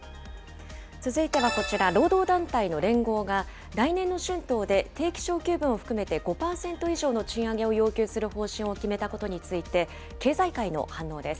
続いてはこちら、労働団体の連合が、来年の春闘で定期昇給分を含めて５％以上の賃上げを要求する方針を決めたことについて、経済界の反応です。